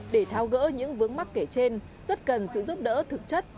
để thao gỡ những vướng mắc kể trên rất cần sự giúp đỡ thực chất